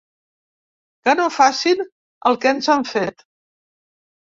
Que no facin el que ens han fet.